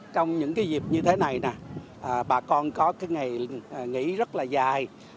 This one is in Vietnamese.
trong những cái dịp như thế này nè bà con có cái ngày nghỉ rất là dài